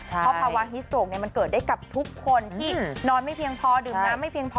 เพราะภาวะฮิสโตรกมันเกิดได้กับทุกคนที่นอนไม่เพียงพอดื่มน้ำไม่เพียงพอ